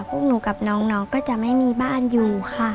พวกหนูกับน้องก็จะไม่มีบ้านอยู่ค่ะ